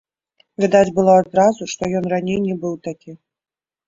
Відаць было адразу, што ён раней не быў такі.